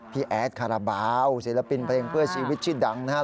แอดคาราบาลศิลปินเพลงเพื่อชีวิตชื่อดังนะครับ